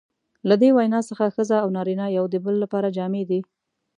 له دې وینا څخه ښځه او نارینه یو د بل لپاره جامې دي.